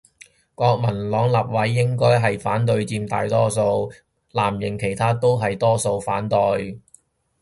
國民黨立委應該係反對佔多數，藍營其他都係多數反對